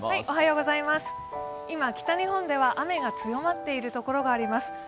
今、北日本では雨が強まっている所があります。